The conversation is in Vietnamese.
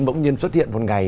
bỗng nhiên xuất hiện một ngày